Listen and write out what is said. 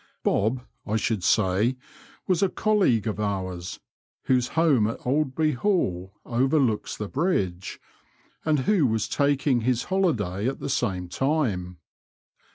" Bob," I should say, was a colleague of ours, whose home at Aldeby Hall overlooks the bridge, and who was taking his holiday at the same time.